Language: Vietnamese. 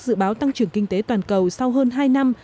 dự báo tăng trưởng kinh tế toàn cầu sau hơn hai năm